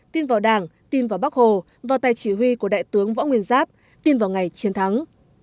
tin vào đảng tin vào bắc hồ vào tay chỉ huy của đại tướng võ nguyên giáp tin vào ngày chiến thắng